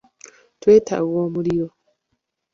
Twetaaga omuliro.